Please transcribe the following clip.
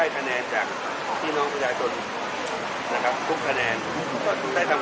ทุกแสดงมีความหมายคำถาม